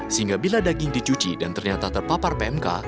sehingga bila daging dicuci dan ternyata terpapar pmk